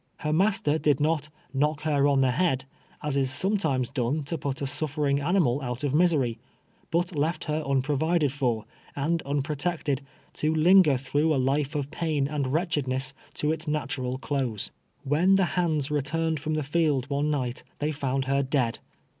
IK r nuister did not "knock lier on the head, ' as is sometimes done to put a sulferinii; animal out of miseiy, but left her unprovided for, and unpro tected, to linger through a life of pain and wretched ness to its mitural close. AVlien the hands returned from the field one night they found her dead